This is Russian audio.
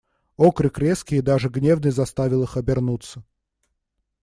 Окрик резкий и даже гневный заставил их обернуться.